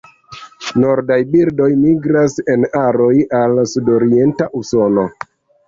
Nordaj birdoj migras en aroj al sudorienta Usono.